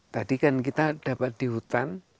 tadi kan kita dapat di hutan